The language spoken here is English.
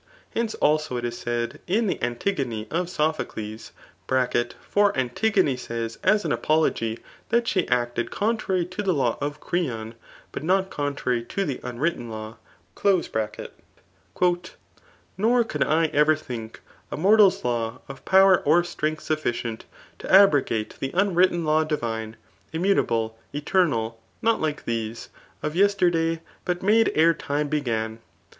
Hence, tims It is said in the Antigone of Sophocles, (for Antigone says as an apology, that she had acted contrary to th^ law of Creon, but not contrary to the unwritten law.) nor could I ever think, A mortal's law, of power or strength sufficient. To abrogate th* unwritten law divine, Immutable, eternal, not like these. Of yesterday, but made ere time began.